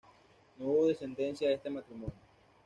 No hubo descendencia de este matrimonio.